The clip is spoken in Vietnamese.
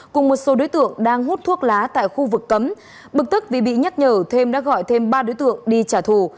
cùng một số đối tượng đang hút thuốc lá tại khu vực cấm bực tức vì bị nhắc nhở thêm đã gọi thêm ba đối tượng đi trả thù